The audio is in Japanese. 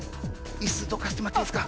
椅子どかしてもらっていいですか？